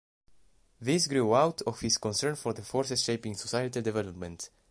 This grew out of his concern for the forces shaping societal development.